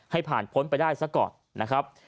ให้ผ่านพ้นไปได้ซะก่อนนะครับ